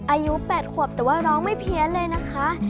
อายุ๘ขวบแต่ว่าร้องไม่เพี้ยนเลยนะคะ